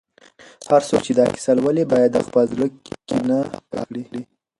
هر څوک چې دا کیسه لولي، باید د خپل زړه کینه پاکه کړي.